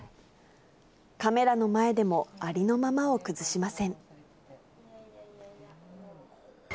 カメラの前でも、ありのままを崩しません。